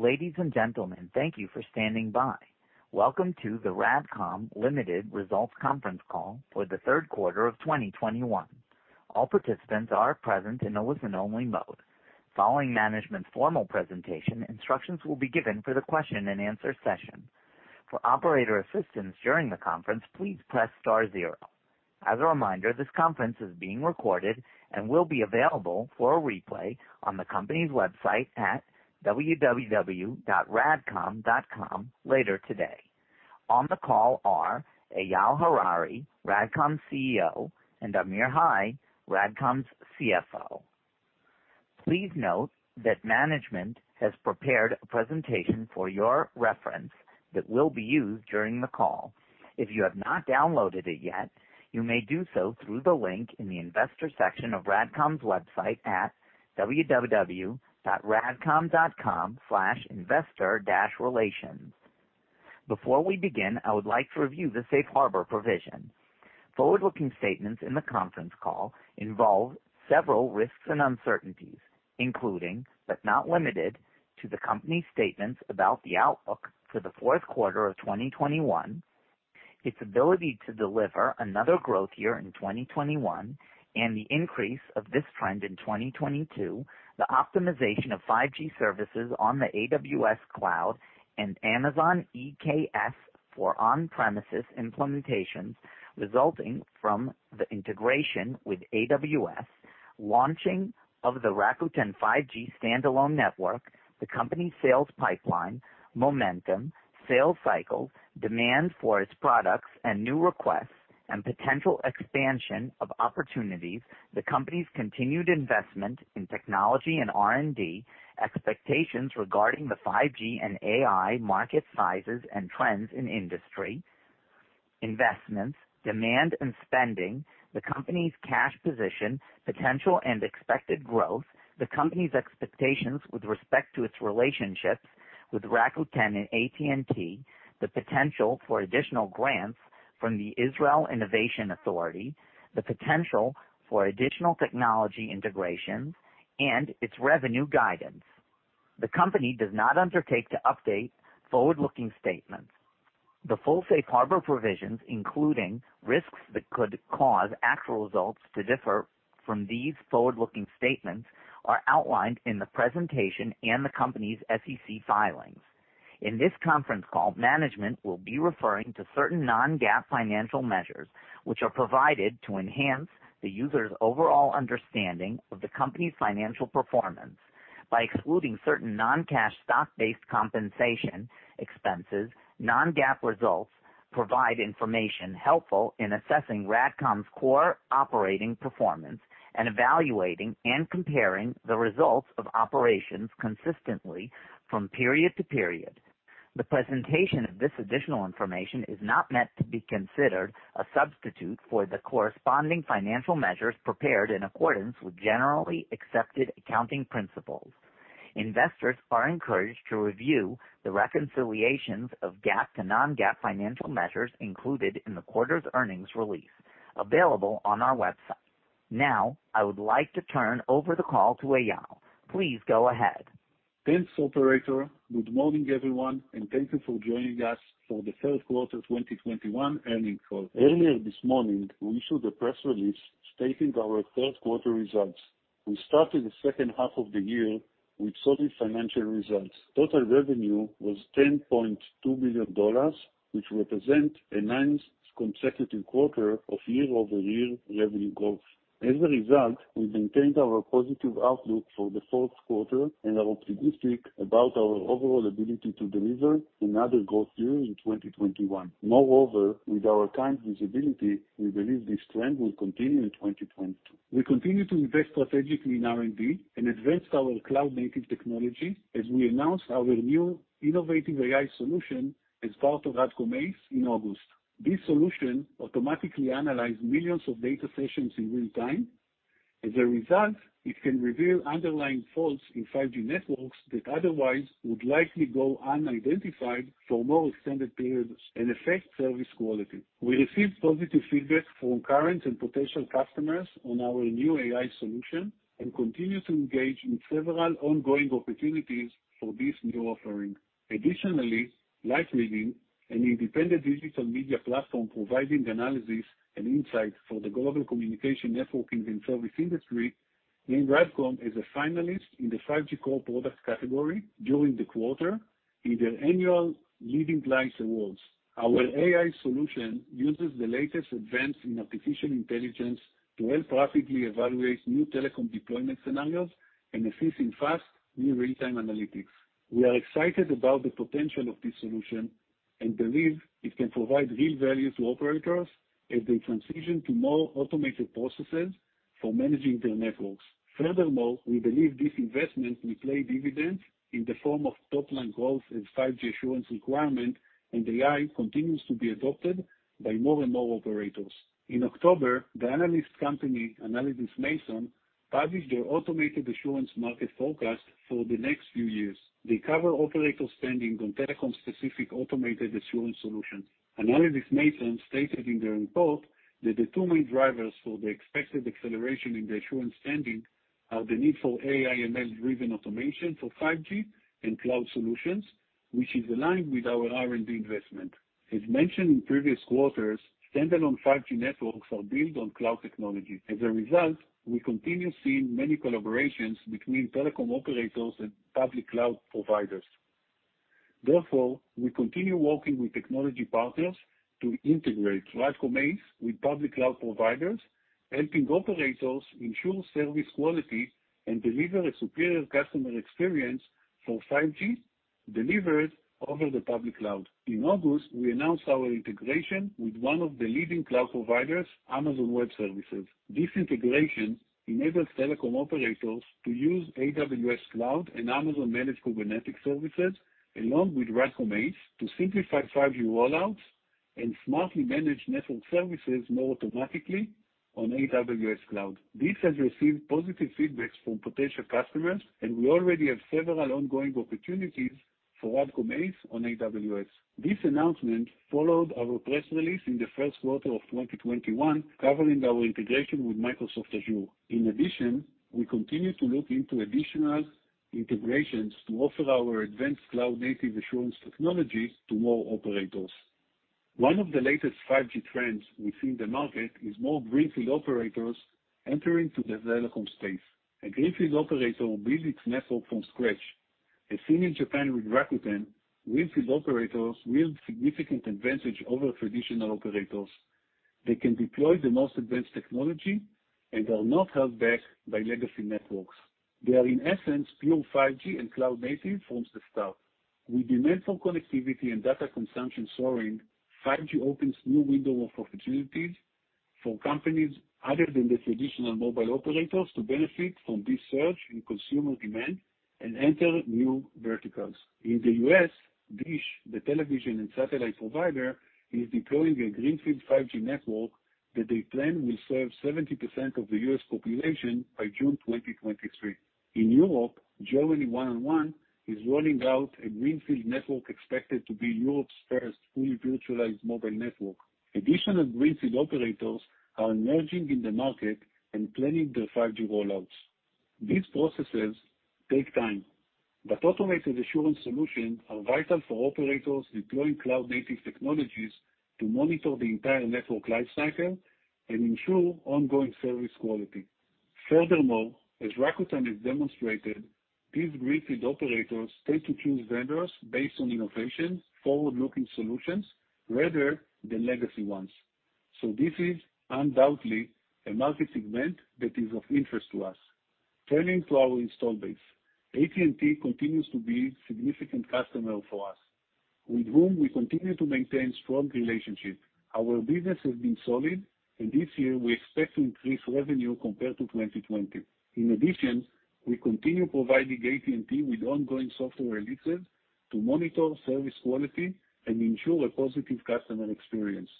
Ladies and gentlemen, thank you for standing by. Welcome to the RADCOM Limited results conference call for the third quarter of 2021. All participants are present in a listen-only mode. Following management's formal presentation, instructions will be given for the question-and-answer session. For operator assistance during the conference, please press star zero. As a reminder, this conference is being recorded and will be available for a replay on the company's website at www.radcom.com later today. On the call are Eyal Harari, RADCOM's CEO, and Amir Hai, RADCOM's CFO. Please note that management has prepared a presentation for your reference that will be used during the call. If you have not downloaded it yet, you may do so through the link in the investor section of RADCOM's website at www.radcom.com/investor-relations. Before we begin, I would like to review the safe harbor provision. Forward-looking statements in the conference call involve several risks and uncertainties including, but not limited to the company's statements about the outlook for the fourth quarter of 2021, its ability to deliver another growth year in 2021 and the increase of this trend in 2022, the optimization of 5G services on the AWS Cloud and Amazon EKS for on-premises implementations resulting from the integration with AWS, launching of the Rakuten 5G standalone network, the company's sales pipeline, momentum, sales cycle, demand for its products and new requests and potential expansion of opportunities, the company's continued investment in technology and R&D, expectations regarding the 5G and AI market sizes and trends in industry, investments, demand, and spending, the company's cash position, potential and expected growth, the company's expectations with respect to its relationships with Rakuten and AT&T, the potential for additional grants from the Israel Innovation Authority, the potential for additional technology integrations, and its revenue guidance. The company does not undertake to update forward-looking statements. The full safe harbor provisions, including risks that could cause actual results to differ from these forward-looking statements, are outlined in the presentation and the company's SEC filings. In this conference call, management will be referring to certain non-GAAP financial measures, which are provided to enhance the user's overall understanding of the company's financial performance. By excluding certain non-cash stock-based compensation expenses, non-GAAP results provide information helpful in assessing RADCOM's core operating performance and evaluating and comparing the results of operations consistently from period to period. The presentation of this additional information is not meant to be considered a substitute for the corresponding financial measures prepared in accordance with generally accepted accounting principles. Investors are encouraged to review the reconciliations of GAAP to non-GAAP financial measures included in the quarter's earnings release available on our website. Now, I would like to turn over the call to Eyal. Please go ahead. Thanks, operator. Good morning, everyone, and thank you for joining us for the third quarter 2021 earnings call. Earlier this morning, we issued a press release stating our third quarter results. We started the second half of the year with solid financial results. Total revenue was $10.2 billion, which represent a ninth consecutive quarter of year-over-year revenue growth. As a result, we maintained our positive outlook for the fourth quarter and are optimistic about our overall ability to deliver another growth year in 2021. Moreover, with our current visibility, we believe this trend will continue in 2022. We continue to invest strategically in R&D and advanced our cloud-native technology as we announced our new innovative AI solution as part of RADCOM ACE in August. This solution automatically analyze millions of data sessions in real time. As a result, it can reveal underlying faults in 5G networks that otherwise would likely go unidentified for more extended periods and affect service quality. We received positive feedback from current and potential customers on our new AI solution and continue to engage in several ongoing opportunities for this new offering. Additionally, Light Reading, an independent digital media platform providing analysis and insight for the global communications networking industry, named RADCOM as a finalist in the 5G core product category during the quarter in their annual Leading Lights awards. Our AI solution uses the latest events in artificial intelligence to help practically evaluate new telecom deployment scenarios and assist in fast new real-time analytics. We are excited about the potential of this solution and believe it can provide real value to operators as they transition to more automated processes for managing their networks. Furthermore, we believe this investment will pay dividends in the form of top-line growth as 5G assurance requirement and AI continues to be adopted by more and more operators. In October, the analyst company, Analysys Mason, published their automated assurance market forecast for the next few years. They cover operator spending on telecom-specific automated assurance solutions. Analysys Mason stated in their report that the two main drivers for the expected acceleration in the assurance spending are the need for AI/ML-driven automation for 5G and cloud solutions, which is aligned with our R&D investment. As mentioned in previous quarters, standalone 5G networks are built on cloud technology. As a result, we continue seeing many collaborations between telecom operators and public cloud providers. Therefore, we continue working with technology partners to integrate RADCOM ACE with public cloud providers, helping operators ensure service quality and deliver a superior customer experience for 5G delivered over the public cloud. In August, we announced our integration with one of the leading cloud providers, Amazon Web Services. This integration enables telecom operators to use AWS cloud and Amazon managed Kubernetes services, along with RADCOM ACE, to simplify 5G rollouts and smartly manage network services more automatically on AWS cloud. This has received positive feedbacks from potential customers, and we already have several ongoing opportunities for RADCOM ACE on AWS. This announcement followed our press release in the first quarter of 2021 covering our integration with Microsoft Azure. In addition, we continue to look into additional integrations to offer our advanced cloud-native assurance technology to more operators. One of the latest 5G trends we see in the market is more greenfield operators entering the telecom space. A greenfield operator will build its network from scratch. As seen in Japan with Rakuten, greenfield operators wield significant advantage over traditional operators. They can deploy the most advanced technology and are not held back by legacy networks. They are, in essence, pure 5G and cloud-native from the start. With demand for connectivity and data consumption soaring, 5G opens new window of opportunities for companies other than the traditional mobile operators to benefit from this surge in consumer demand and enter new verticals. In the U.S., DISH, the television and satellite provider, is deploying a greenfield 5G network that they plan will serve 70% of the U.S. population by June 2023. In Europe, [1&1] is rolling out a greenfield network expected to be Europe's first fully virtualized mobile network. Additional greenfield operators are emerging in the market and planning their 5G rollouts. These processes take time, but automated assurance solutions are vital for operators deploying cloud-native technologies to monitor the entire network life cycle and ensure ongoing service quality. Furthermore, as Rakuten has demonstrated, these greenfield operators tend to choose vendors based on innovations, forward-looking solutions rather than legacy ones. This is undoubtedly a market segment that is of interest to us. Turning to our installed base. AT&T continues to be a significant customer for us with whom we continue to maintain strong relationship. Our business has been solid and this year we expect to increase revenue compared to 2020. In addition, we continue providing AT&T with ongoing software releases to monitor service quality and ensure a positive customer experience.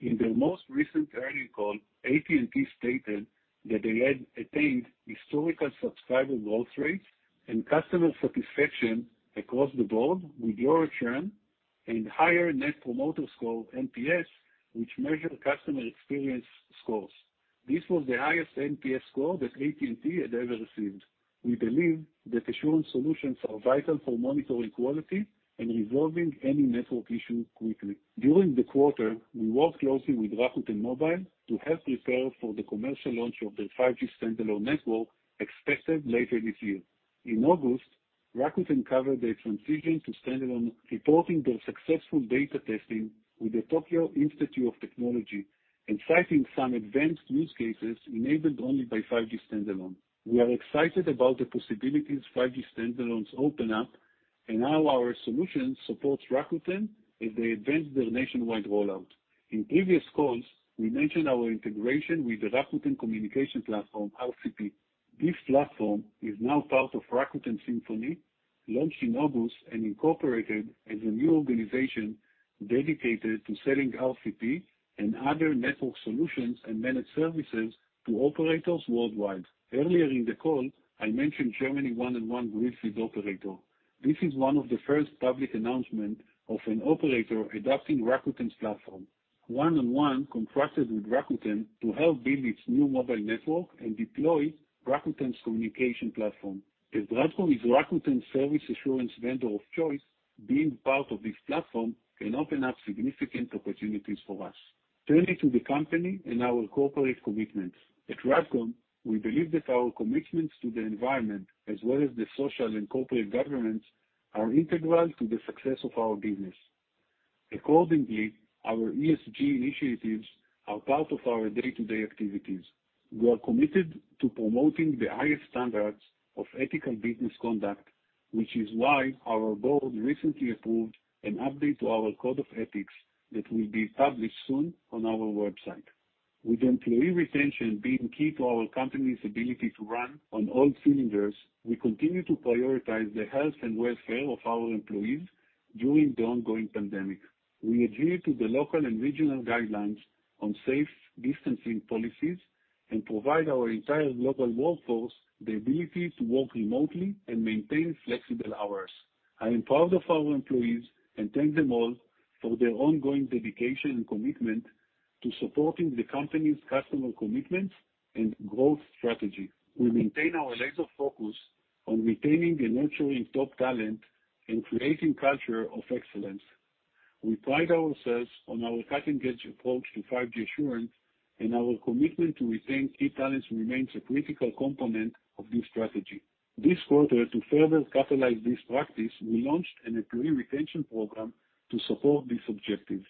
In their most recent earnings call, AT&T stated that they had attained historical subscriber growth rates and customer satisfaction across the board, with lower churn and higher Net Promoter Score, NPS, which measure customer experience scores. This was the highest NPS score that AT&T had ever received. We believe that assurance solutions are vital for monitoring quality and resolving any network issue quickly. During the quarter, we worked closely with Rakuten Mobile to help prepare for the commercial launch of their 5G standalone network expected later this year. In August, Rakuten covered their transition to standalone, reporting their successful beta testing with the Tokyo Institute of Technology and citing some advanced use cases enabled only by 5G standalone. We are excited about the possibilities 5G standalone open up and how our solution supports Rakuten as they advance their nationwide rollout. In previous calls, we mentioned our integration with the Rakuten Communications Platform, RCP. This platform is now part of Rakuten Symphony, launched in August and incorporated as a new organization dedicated to selling RCP and other network solutions and managed services to operators worldwide. Earlier in the call, I mentioned German 1&1 greenfield operator. This is one of the first public announcement of an operator adopting Rakuten's platform. 1&1 contracted with Rakuten to help build its new mobile network and deploy Rakuten's Communications Platform. As RADCOM is Rakuten's service assurance vendor of choice, being part of this platform can open up significant opportunities for us. Turning to the company and our corporate commitments. At RADCOM, we believe that our commitments to the environment, as well as the social and corporate governance, are integral to the success of our business. Accordingly, our ESG initiatives are part of our day-to-day activities. We are committed to promoting the highest standards of ethical business conduct, which is why our board recently approved an update to our code of ethics that will be published soon on our website. With employee retention being key to our company's ability to run on all cylinders, we continue to prioritize the health and welfare of our employees during the ongoing pandemic. We adhere to the local and regional guidelines on safe distancing policies and provide our entire global workforce the ability to work remotely and maintain flexible hours. I am proud of our employees and thank them all for their ongoing dedication and commitment to supporting the company's customer commitments and growth strategy. We maintain our laser focus on retaining and nurturing top talent and creating culture of excellence. We pride ourselves on our cutting-edge approach to 5G assurance and our commitment to retain key talents remains a critical component of this strategy. This quarter, to further catalyze this practice, we launched an employee retention program to support this objective.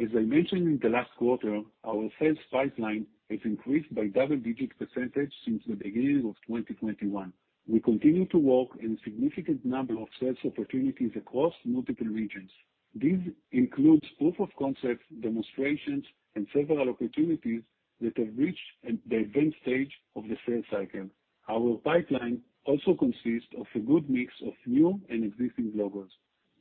As I mentioned in the last quarter, our sales pipeline has increased by double-digit percentage since the beginning of 2021. We continue to work in significant number of sales opportunities across multiple regions. This includes proof of concept demonstrations and several opportunities that have reached an advanced stage of the sales cycle. Our pipeline also consists of a good mix of new and existing logos.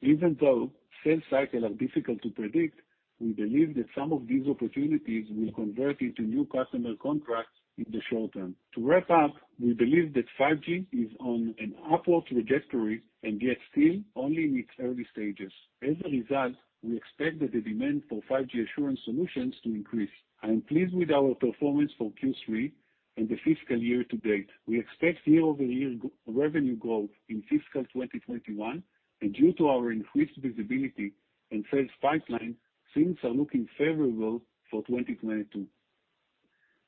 Even though sales cycle are difficult to predict, we believe that some of these opportunities will convert into new customer contracts in the short term. To wrap up, we believe that 5G is on an upward trajectory and yet still only in its early stages. As a result, we expect that the demand for 5G assurance solutions to increase. I am pleased with our performance for Q3 and the fiscal year to date. We expect year-over-year revenue growth in fiscal 2021, and due to our increased visibility and sales pipeline, things are looking favorable for 2022.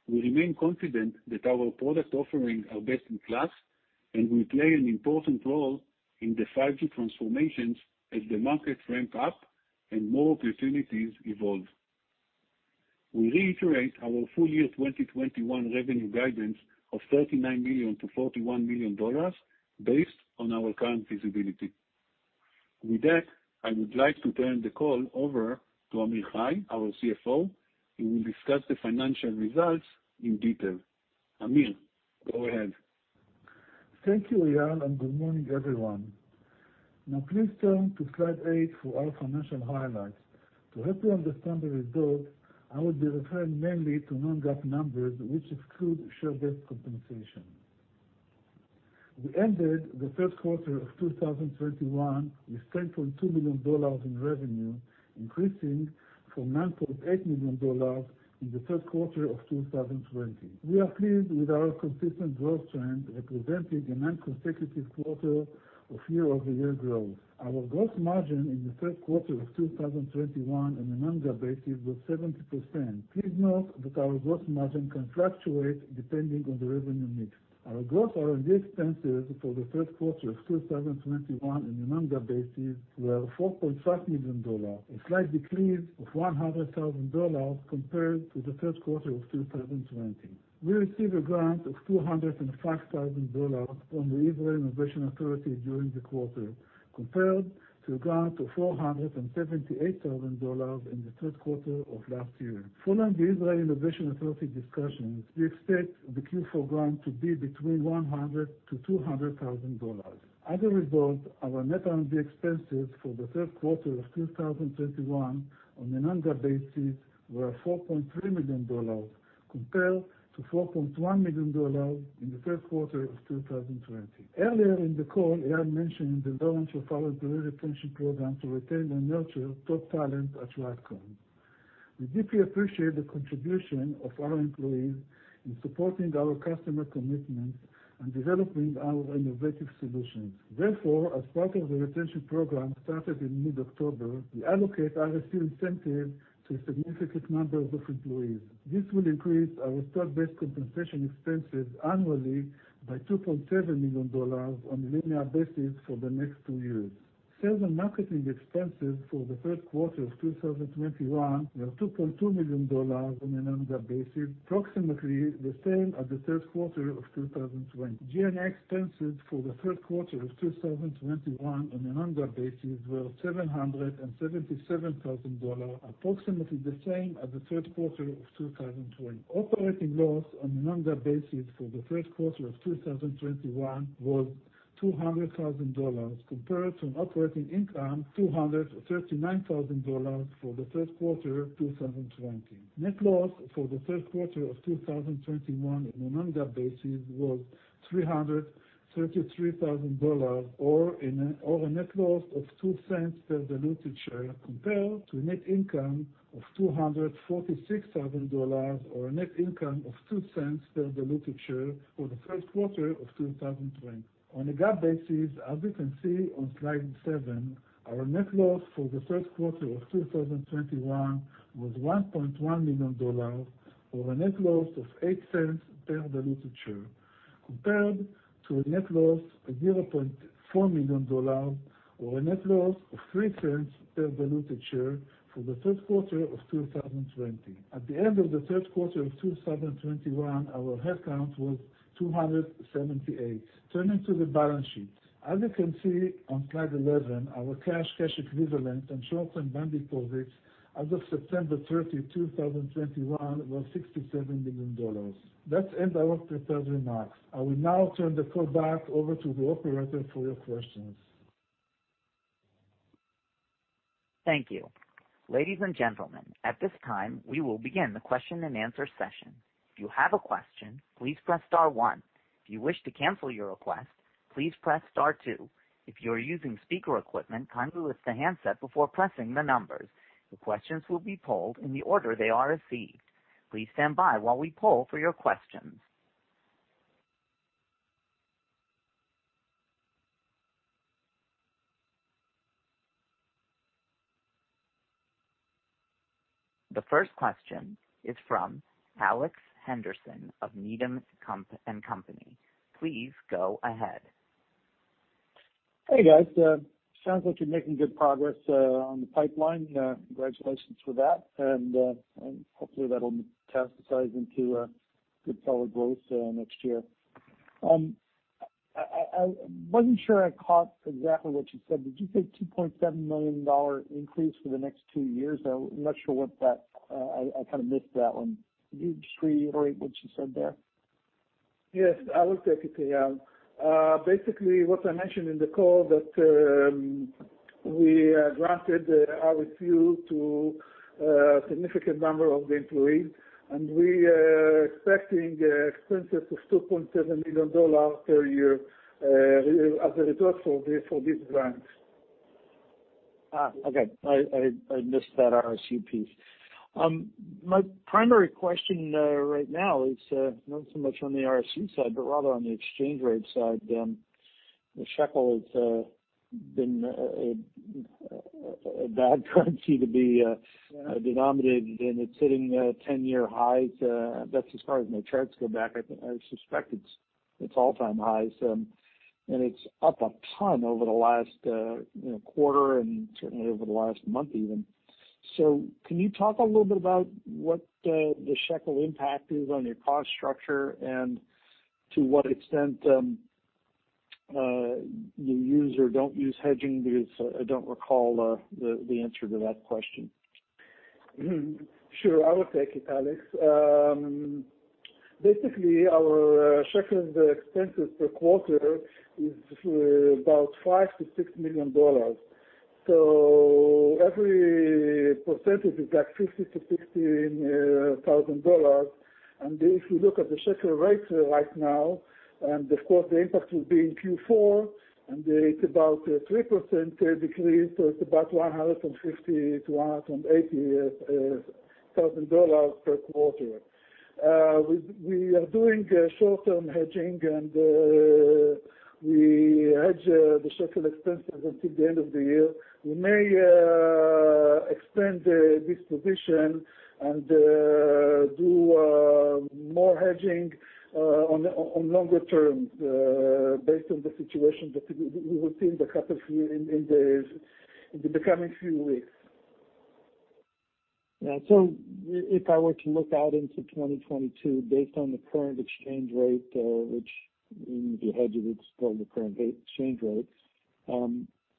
We remain confident that our product offerings are best in class and will play an important role in the 5G transformations as the markets ramp up and more opportunities evolve. We reiterate our full year 2021 revenue guidance of $39 million-$41 million based on our current visibility. With that, I would like to turn the call over to Amir Hai, our CFO, who will discuss the financial results in detail. Amir, go ahead. Thank you, Eyal, and good morning, everyone. Now please turn to slide eight for our financial highlights. To help you understand the results, I will be referring mainly to non-GAAP numbers, which exclude share-based compensation. We ended the third quarter of 2021 with $10.2 million in revenue, increasing from $9.8 million in the third quarter of 2020. We are pleased with our consistent growth trend, representing our ninth consecutive quarter of year-over-year growth. Our gross margin in the third quarter of 2021 on a non-GAAP basis was 70%. Please note that our gross margin can fluctuate depending on the revenue mix. Our gross R&D expenses for the third quarter of 2021 on a non-GAAP basis were $4.5 million, a slight decrease of $100,000 compared to the third quarter of 2020. We received a grant of $205,000 from the Israel Innovation Authority during the quarter, compared to a grant of $478,000 in the third quarter of last year. Following the Israel Innovation Authority discussions, we expect the Q4 grant to be between $100,000 to $200,000. As a result, our net R&D expenses for the third quarter of 2021 on a non-GAAP basis were $4.3 million compared to $4.1 million in the third quarter of 2020. Earlier in the call, Eyal mentioned the launch of our employee retention program to retain and nurture top talent at RADCOM. We deeply appreciate the contribution of our employees in supporting our customer commitments and developing our innovative solutions. Therefore, as part of the retention program started in mid-October, we allocate RSU incentive to significant numbers of employees. This will increase our stock-based compensation expenses annually by $2.7 million on a linear basis for the next two years. Sales and marketing expenses for the third quarter of 2021 were $2.2 million on a non-GAAP basis, approximately the same as the third quarter of 2020. G&A expenses for the third quarter of 2021 on a non-GAAP basis were $777,000, approximately the same as the third quarter of 2020. Operating loss on a non-GAAP basis for the third quarter of 2021 was $200,000 compared to an operating income of $239,000 for the third quarter of 2020. Net loss for the third quarter of 2021 on a non-GAAP basis was $333,000 or a net loss of $0.02 per diluted share compared to a net income of $246,000 or a net income of $0.02 per diluted share for the third quarter of 2020. On a GAAP basis, as you can see on slide seven, our net loss for the third quarter of 2021 was $1.1 million or a net loss of $0.08 per diluted share compared to a net loss of $0.4 million or a net loss of $0.03 per diluted share for the third quarter of 2020. At the end of the third quarter of 2021, our headcount was 278. Turning to the balance sheet. As you can see on slide 11, our cash equivalents, and short-term bank deposits as of September 30, 2021 was $67 million. That ends our prepared remarks. I will now turn the call back over to the operator for your questions. Thank you. Ladies and gentlemen, at this time, we will begin the question-and-answer session. The first question is from Alex Henderson of Needham & Company. Please go ahead. Hey guys, sounds like you're making good progress on the pipeline. Congratulations for that. Hopefully that'll metastasize into good solid growth next year. I wasn't sure I caught exactly what you said. Did you say $2.7 million increase for the next two years? I'm not sure what that. I kind of missed that one. Could you just reiterate what you said there? Yes, I will take it, yeah. Basically, what I mentioned in the call that we granted RSU to a significant number of the employees, and we are expecting expenses of $2.7 million per year as a result for this, for these grants. I missed that [RSU] piece. My primary question right now is not so much on the [RSU] side, but rather on the exchange rate side. The shekel has been a bad currency to be denominated, and it's hitting 10-year highs. That's as far as my charts go back. I suspect it's all-time highs. And it's up a ton over the last, you know, quarter and certainly over the last month even. Can you talk a little bit about what the shekel impact is on your cost structure and to what extent you use or don't use hedging, because I don't recall the answer to that question. Sure, I will take it, Alex. Basically, our shekel expenses per quarter is about $5 million-$6 million. Every percentage is like $50,000-$60,000. If you look at the shekel rate right now, of course the impact will be in Q4, and it's about a 3% decrease, so it's about $150,000-$180,000 per quarter. We are doing short-term hedging, and we hedge the shekel expenses until the end of the year. We may extend this position and do more hedging on longer term based on the situation that we will see in the coming few weeks. Yeah, if I were to look out into 2022 based on the current exchange rate, which if you hedge it's still the current exchange rate,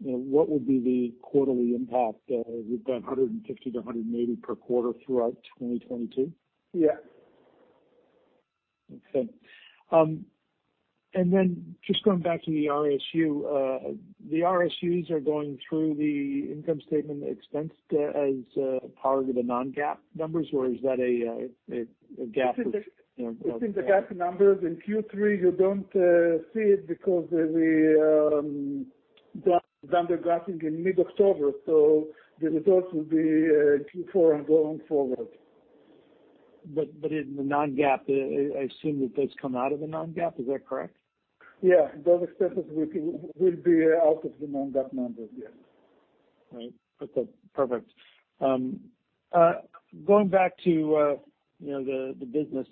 you know, what would be the quarterly impact? We've got $150-$180 per quarter throughout 2022? Yeah. Okay. Just going back to the RSU. The RSUs are going through the income statement expense as part of the non-GAAP numbers, or is that a GAAP, you know? It's in the GAAP numbers. In Q3, you don't see it because we done the granting in mid-October, so the results will be in Q4 and going forward. In the non-GAAP, I assume that does come out of the non-GAAP. Is that correct? Yeah. Those expenses will be out of the non-GAAP numbers, yes. Right. Okay, perfect. Going back to, you know, the business.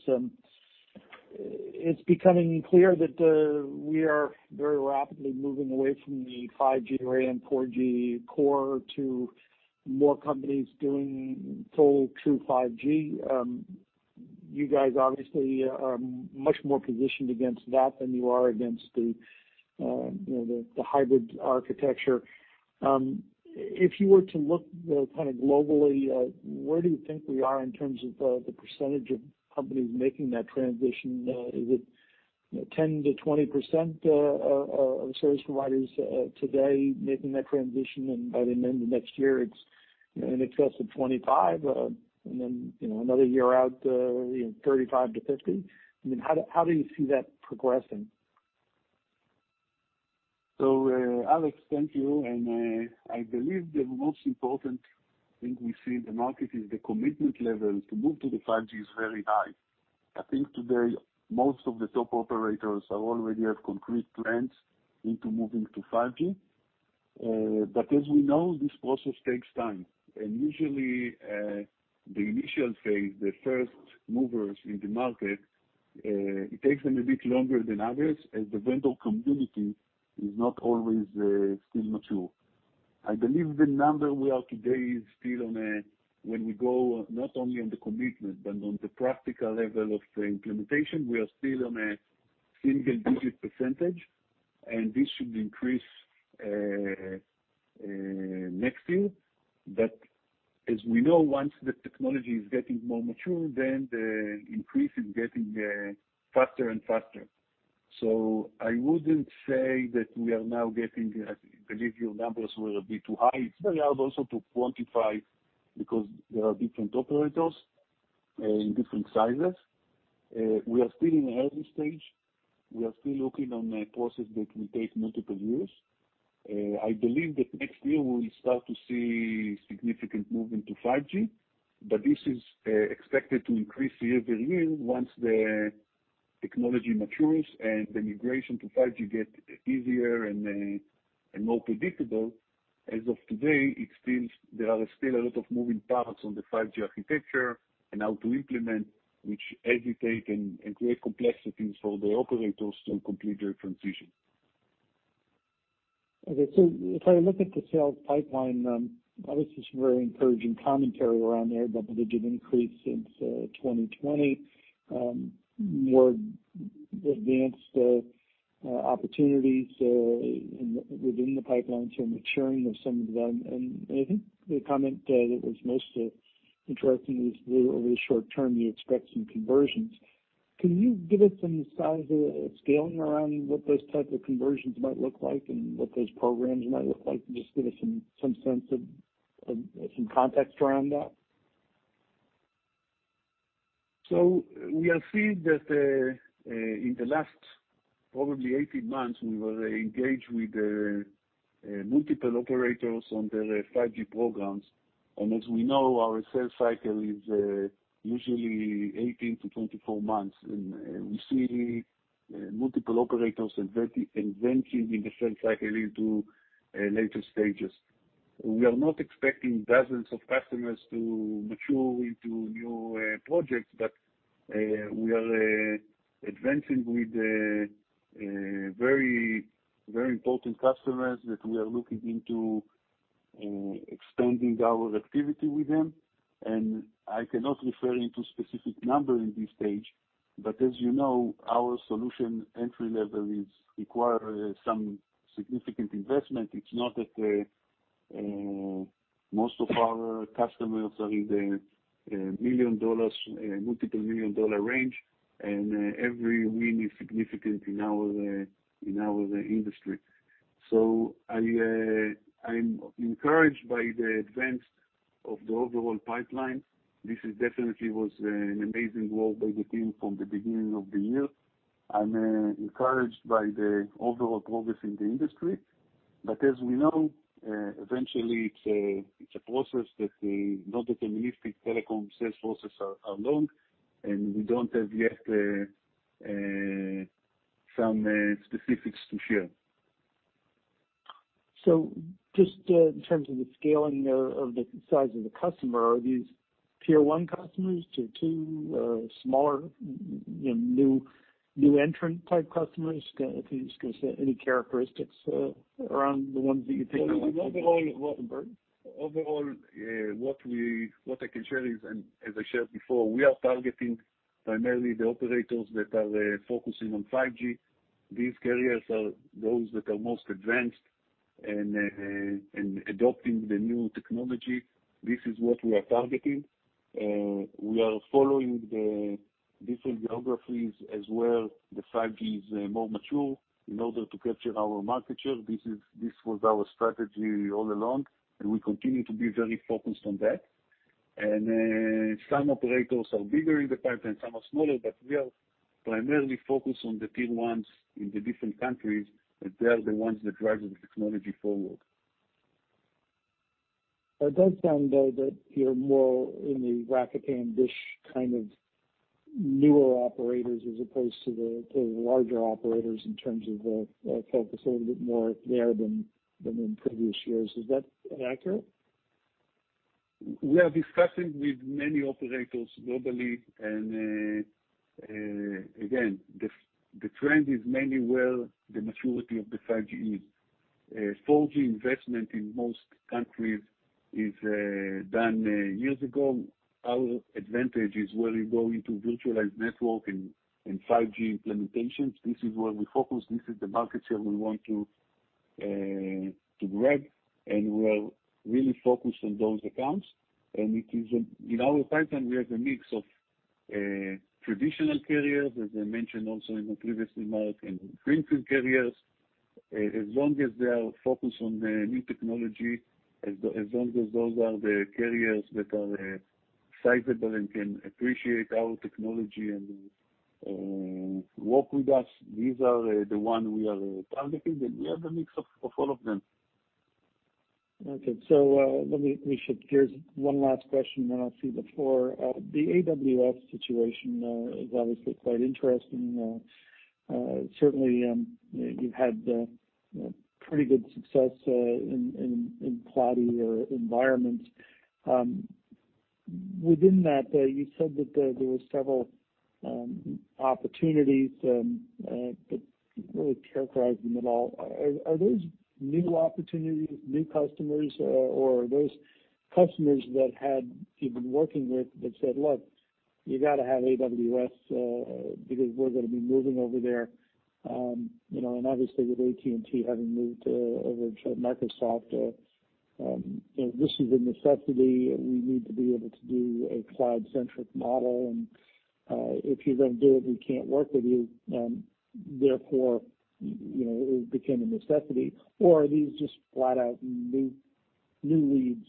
It's becoming clear that we are very rapidly moving away from the 5G RAN 4G core to more companies doing full true 5G. You guys obviously are much more positioned against that than you are against, you know, the hybrid architecture. If you were to look, kind of globally, where do you think we are in terms of the percentage of companies making that transition? Is it, you know, 10%-20% of service providers today making that transition, and by the end of next year, it's in excess of 25%, and then, you know, another year out, you know, 35%-50%? I mean, how do you see that progressing? Alex, thank you. I believe the most important thing we see in the market is the commitment level to move to the 5G is very high. I think today most of the top operators already have concrete plans to move to 5G. As we know, this process takes time. Usually the initial phase, the first movers in the market, it takes them a bit longer than others as the vendor community is not always still mature. I believe the number we are today is still on a, when we go not only on the commitment but on the practical level of the implementation, we are still on a single-digit percentage. This should increase next year. As we know, once the technology is getting more mature, then the increase is getting faster and faster. I wouldn't say that we are now getting. I believe your numbers were a bit too high. It's very hard also to quantify because there are different operators in different sizes. We are still in the early stage. We are still embarking on a process that will take multiple years. I believe that next year we'll start to see significant movement to 5G, but this is expected to increase year-over-year once the technology matures and the migration to 5G get easier and more predictable. As of today, it seems there are still a lot of moving parts on the 5G architecture and how to implement, which aggravate and create complexities for the operators to complete their transition. Okay. If I look at the sales pipeline, obviously some very encouraging commentary around there about the growth increase since 2020. More advanced opportunities within the pipeline, so maturing of some of them. I think the comment that was most interesting is where over the short term, you expect some conversions. Can you give us some size of scaling around what those type of conversions might look like and what those programs might look like? Just give us some sense of some context around that. We have seen that in the last probably 18 months, we were engaged with multiple operators on their 5G programs. As we know, our sales cycle is usually 18 to 24 months. We see multiple operators advancing in the sales cycle into later stages. We are not expecting dozens of customers to mature into new projects, but we are advancing with very important customers that we are looking into extending our activity with them. I cannot refer to specific number in this stage, but as you know, our solution entry level requires some significant investment. It's not that most of our customers are in the $1 million, multiple $1 million range, and every win is significant in our industry. I'm encouraged by the advance of the overall pipeline. This definitely was an amazing work by the team from the beginning of the year. I'm encouraged by the overall progress in the industry. As we know, eventually it's a process that, not opportunistic, telecom sales cycles are long, and we don't have yet some specifics to share. Just in terms of the scaling there of the size of the customer, are these tier one customers, tier two, smaller, you know, new entrant type customers? Can you just give us any characteristics around the ones that you're taking on? Overall, what I can share is, and as I shared before, we are targeting primarily the operators that are focusing on 5G. These carriers are those that are most advanced in adopting the new technology. This is what we are targeting. We are following the different geographies as well, the 5G's more mature in order to capture our market share. This was our strategy all along, and we continue to be very focused on that. Some operators are bigger in the pipeline, some are smaller, but we are primarily focused on the tier ones in the different countries, that they are the ones that drive the technology forward. It does sound, though, that you're more in the Rakuten, DISH, kind of newer operators as opposed to the larger operators in terms of focus a little bit more there than in previous years. Is that accurate? We are discussing with many operators globally and again, the trend is mainly where the maturity of the 5G is. 4G investment in most countries is done years ago. Our advantage is where you go into virtualized network and 5G implementations. This is where we focus. This is the market share we want to grab, and we are really focused on those accounts. In our pipeline, we have a mix of traditional carriers, as I mentioned also in my previous remark, and greenfield carriers. As long as they are focused on the new technology, as long as those are the carriers that are sizable and can appreciate our technology and work with us, these are the one we are targeting, and we have a mix of all of them. Okay. Let me make sure, here's one last question then I'll cede the floor. The AWS situation is obviously quite interesting. Certainly, you've had pretty good success in cloud environments. Within that, you said that there were several opportunities, but you haven't really characterized them at all. Are those new opportunities, new customers, or are those customers that you've been working with that said, "Look, you gotta have AWS, because we're gonna be moving over there." You know, and obviously with AT&T having moved over to Microsoft, and this is a necessity, and we need to be able to do a cloud-centric model, and if you don't do it, we can't work with you. Therefore, you know, it became a necessity. Are these just flat out new leads,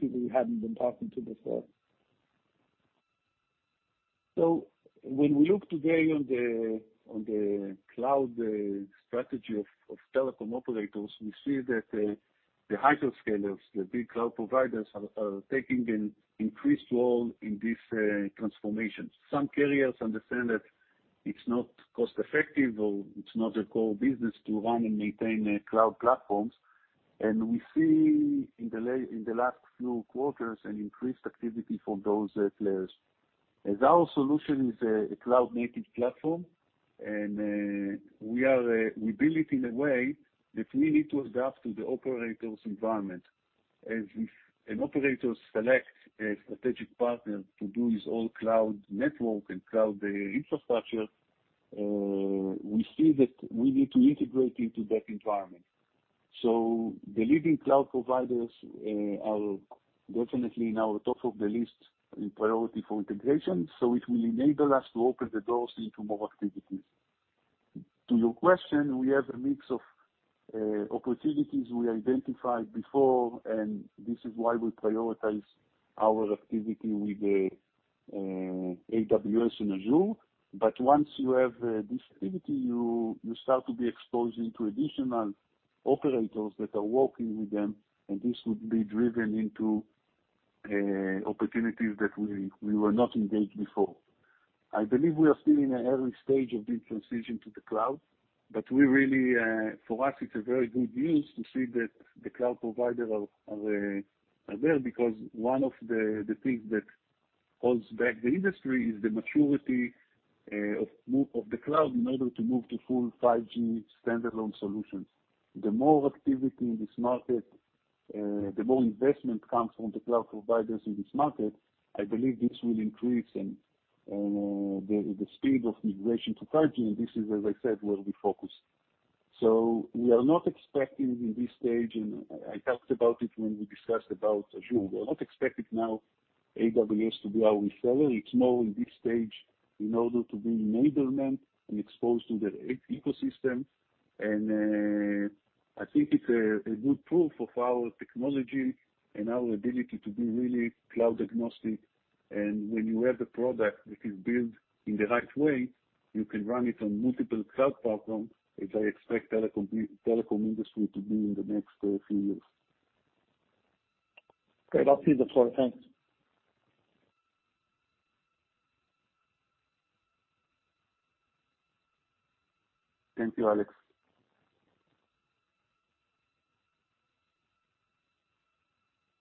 people you haven't been talking to before? When we look today on the cloud strategy of telecom operators, we see that the hyperscalers, the big cloud providers are taking an increased role in this transformation. Some carriers understand that it's not cost effective or it's not their core business to run and maintain their cloud platforms, and we see in the last few quarters an increased activity from those players. As our solution is a cloud-native platform, and we build it in a way that we need to adapt to the operator's environment. As an operator selects a strategic partner to do his own cloud network and cloud infrastructure, we see that we need to integrate into that environment. The leading cloud providers are definitely now top of the list in priority for integration, so it will enable us to open the doors into more activities. To your question, we have a mix of opportunities we identified before, and this is why we prioritize our activity with AWS and Azure. Once you have this activity, you start to be exposed to additional operators that are working with them, and this would be driven into opportunities that we were not engaged before. I believe we are still in an early stage of this transition to the cloud, but we really. For us, it's a very good news to see that the cloud provider are there because one of the things that holds back the industry is the maturity of the cloud in order to move to full 5G standalone solutions. The more activity in this market, the more investment comes from the cloud providers in this market, I believe this will increase the speed of migration to 5G, and this is, as I said, where we focus. We are not expecting in this stage, and I talked about it when we discussed about Azure, we're not expecting now AWS to be our reseller. It's more in this stage in order to be enablement and exposed to their ecosystem. I think it's a good proof of our technology and our ability to be really cloud agnostic. When you have the product that is built in the right way, you can run it on multiple cloud platforms, as I expect telecom industry to do in the next few years. Great. I'll cede the floor. Thanks. Thank you, Alex.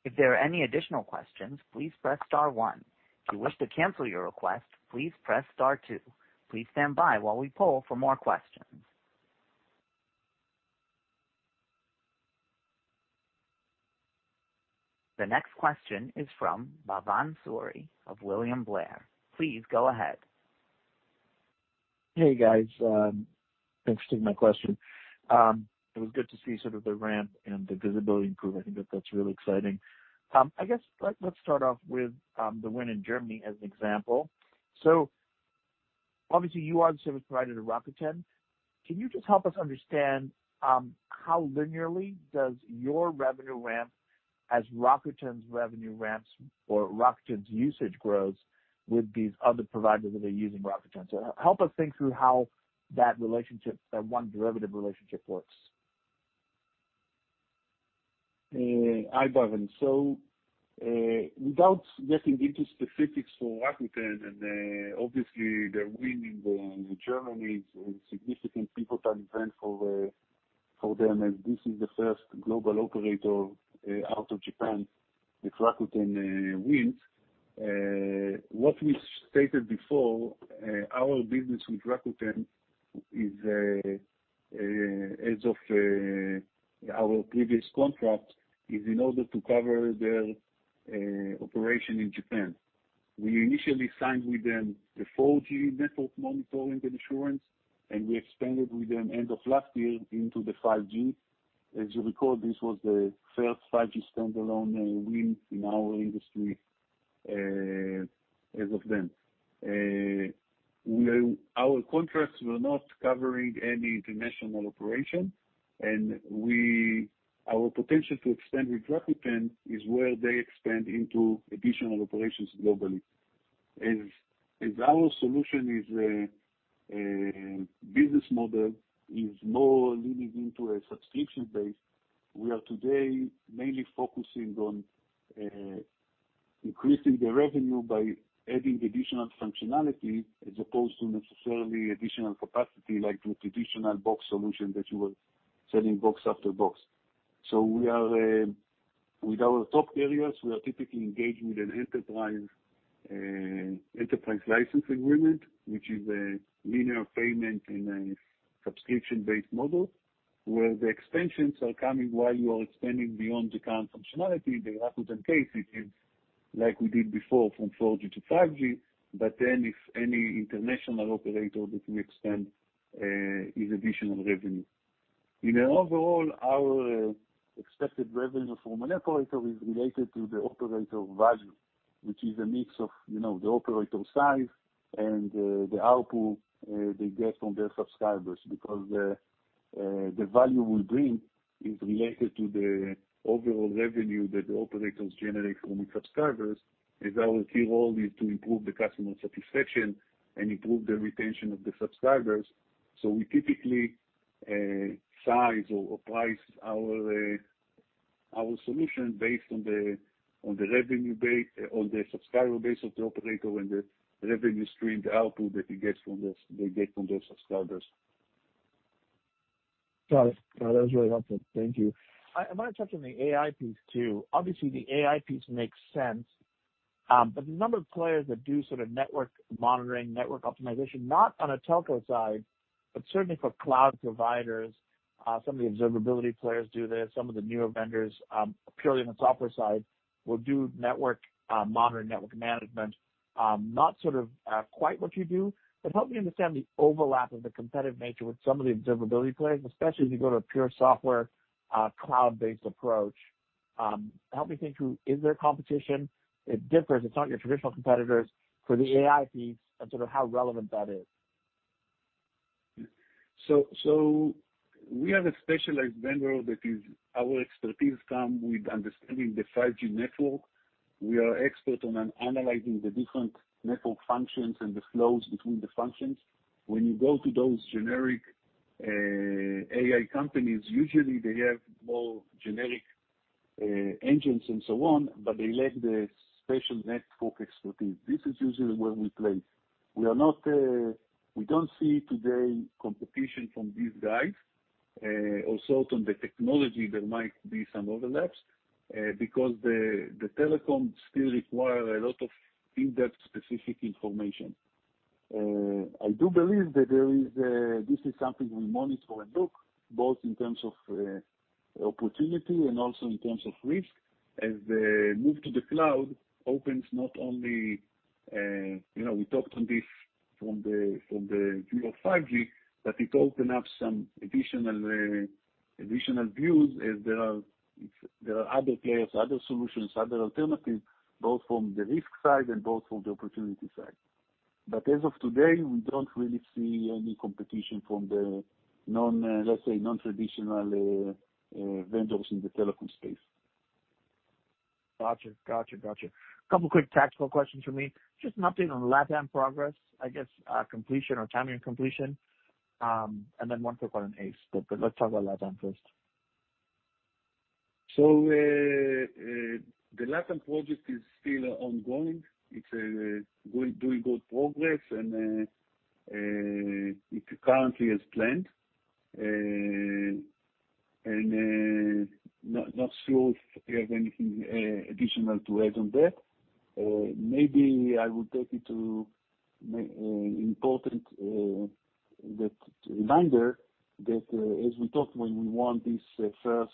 If there are any additional questions, please press star one. If you wish to cancel your request, please press star two. Please stand by while we poll for more questions. The next question is from Bhavan Suri of William Blair. Please go ahead. Hey, guys. Thanks for taking my question. It was good to see sort of the ramp and the visibility improve. I think that's really exciting. Let's start off with the win in Germany as an example. Obviously you are the service provider to Rakuten. Can you just help us understand how linearly does your revenue ramp as Rakuten's revenue ramps or Rakuten's usage grows with these other providers that are using Rakuten? Help us think through how that relationship, that one derivative relationship works. Hi, Bhavan. Without getting into specifics for Rakuten, and obviously their win in Germany is a significant pivotal event for them, as this is the first global operator out of Japan that Rakuten wins. What we stated before, our business with Rakuten is, as of our previous contract, in order to cover their operation in Japan. We initially signed with them the 4G network monitoring and assurance, and we expanded with them end of last year into the 5G. As you recall, this was the first 5G standalone win in our industry, as of then. Our contracts were not covering any international operation, and our potential to expand with Rakuten is where they expand into additional operations globally. As our solution is a business model is more leaning into a subscription base, we are today mainly focusing on increasing the revenue by adding additional functionality as opposed to necessarily additional capacity, like the traditional box solution that you are selling box after box. We are with our top carriers typically engaged with an enterprise license agreement, which is a linear payment and a subscription-based model, where the expansions are coming while you are expanding beyond the current functionality. The Rakuten case, like we did before from 4G to 5G. If any international operator that we extend is additional revenue. In the overall, our expected revenue from an operator is related to the operator value, which is a mix of, you know, the operator size and the output they get from their subscribers, because the value we bring is related to the overall revenue that the operators generate from the subscribers, as our key role is to improve the customer satisfaction and improve the retention of the subscribers. We typically size or price our solution based on the revenue base, on the subscriber base of the operator and the revenue stream, the output that he gets from the they get from their subscribers. Got it. No, that was really helpful. Thank you. I want to touch on the AI piece too. Obviously, the AI piece makes sense, but the number of players that do sort of network monitoring, network optimization, not on a telco side, but certainly for cloud providers, some of the observability players do this, some of the newer vendors, purely on the software side, will do network monitoring, network management. Not quite what you do, but help me understand the overlap of the competitive nature with some of the observability players, especially as you go to a pure software, cloud-based approach. Help me think through, is there competition? It differs, it's not your traditional competitors for the AI piece and sort of how relevant that is. We are a specialized vendor that is our expertise come with understanding the 5G network. We are expert on analyzing the different network functions and the flows between the functions. When you go to those generic AI companies, usually they have more generic engines and so on, but they lack the special network expertise. This is usually where we play. We are not, we don't see today competition from these guys. Also on the technology there might be some overlaps, because the telecom still require a lot of in-depth specific information. I do believe that there is this something we monitor and look both in terms of opportunity and also in terms of risk, as the move to the cloud opens not only, you know, we talked on this from the view of 5G, but it open up some additional views as there are, if there are other players, other solutions, other alternatives, both from the risk side and both from the opportunity side. But as of today, we don't really see any competition from the non, let's say, non-traditional vendors in the telecom space. Gotcha. Couple quick tactical questions from me. Just an update on LATAM progress, I guess, completion or timing and completion, and then one quick one on ACE. Let's talk about LATAM first. The LATAM project is still ongoing. It's doing good progress, and it currently as planned. Not sure if we have anything additional to add on that. Important reminder that as we talked when we won this first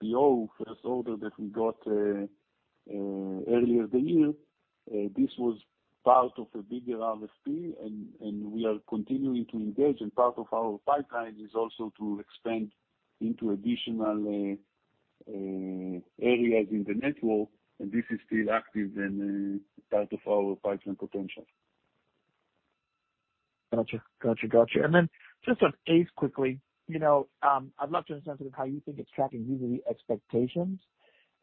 PO, first order that we got earlier this year, this was part of a bigger RFP and we are continuing to engage. Part of our pipeline is also to expand into additional areas in the network, and this is still active and part of our pipeline potential. Gotcha. Then just on ACE quickly, I'd love to understand sort of how you think it's tracking versus expectations.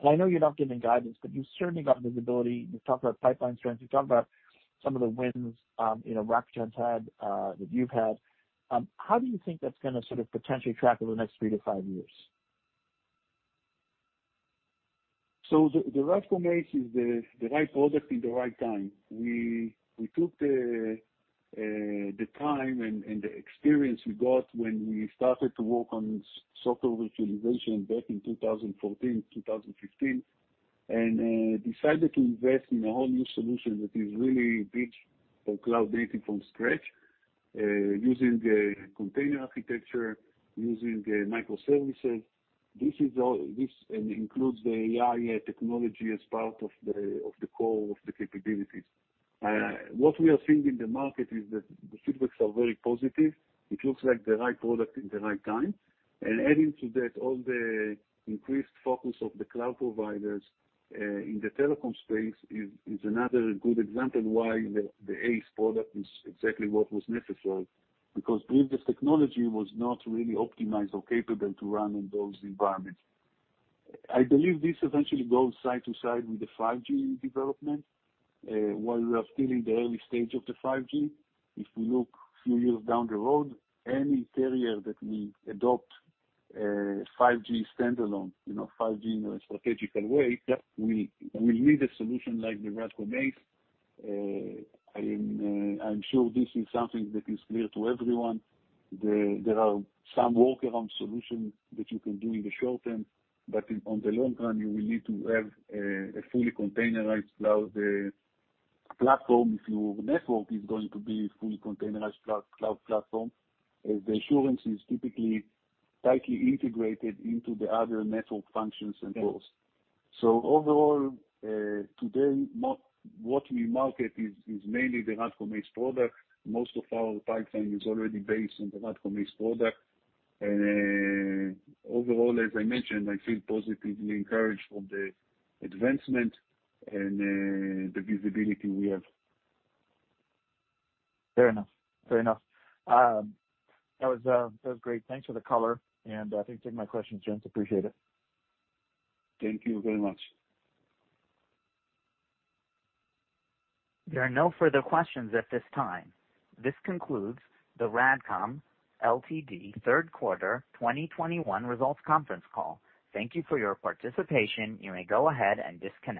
I know you're not giving guidance, but you certainly got visibility. You've talked about pipeline trends, you've talked about some of the wins, RADCOM's had, that you've had. How do you think that's gonna sort of potentially track over the next three to five years? The RADCOM ACE is the right product in the right time. We took the time and the experience we got when we started to work on software virtualization back in 2014, 2015, and decided to invest in a whole new solution that is really built for cloud-native from scratch, using the container architecture, using the microservices. This is all and includes the AI technology as part of the core of the capabilities. What we are seeing in the market is that the feedbacks are very positive. It looks like the right product in the right time. Adding to that, all the increased focus of the cloud providers in the telecom space is another good example why the ACE product is exactly what was necessary. Because previous technology was not really optimized or capable to run in those environments. I believe this eventually goes side by side with the 5G development, while we are still in the early stage of the 5G. If we look a few years down the road, any carrier that will adopt 5G standalone, you know, 5G in a strategic way. Yep. We need a solution like the RADCOM ACE. I'm sure this is something that is clear to everyone. There are some workaround solutions that you can do in the short term, but in the long run, you will need to have a fully containerized cloud platform if your network is going to be fully containerized cloud platform, as the assurance is typically tightly integrated into the other network functions and costs. Yep. Overall, today, what we market is mainly the RADCOM ACE product. Most of our pipeline is already based on the RADCOM ACE product. Overall, as I mentioned, I feel positively encouraged from the advancement and the visibility we have. Fair enough. That was great. Thanks for the color, and I think you took my questions, gents. Appreciate it. Thank you very much. There are no further questions at this time. This concludes the RADCOM Ltd. third quarter 2021 results conference call. Thank you for your participation. You may go ahead and disconnect.